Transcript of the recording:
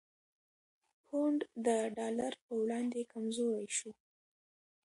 پونډ د ډالر په وړاندې کمزوری شو؛